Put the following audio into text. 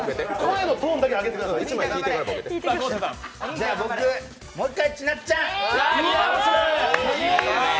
じゃあ、もう一回ちなっちゃん。